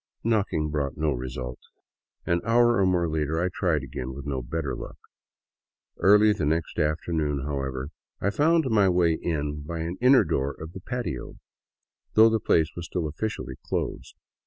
..." Knocking brought no result. An hour or more later I tried again, with no better luck. Early the next afternoon, however, I found my way in by an inner door of the patio, though the place was still officially closed.